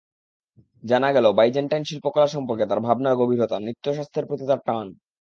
জানা গেল বাইজেন্টাইন শিল্পকলা সম্পর্কে তাঁর ভাবনার গভীরতা, নৃত্যশাস্ত্রের প্রতি তাঁর টান।